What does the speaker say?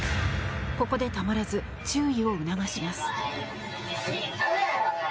ここでたまらず注意を促します。